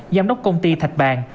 giám đốc công ty thạch bàng